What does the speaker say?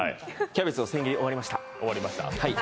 キャベツの千切り、終わりました。